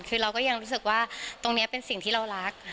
คือเราก็ยังรู้สึกว่าตรงนี้เป็นสิ่งที่เรารัก